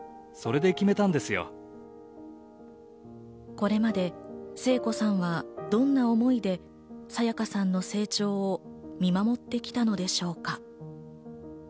これまで聖子さんはどんな思いで沙也加さんの成長を見守ってきたのでしょうか。